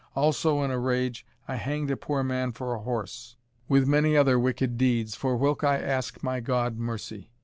Also, in a rage, I hanged a poor man for a horse; with many other wicked deeds, for whilk I ask my God mercy.